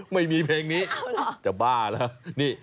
ไม่มีเพลงนี้จะบ้าหรือ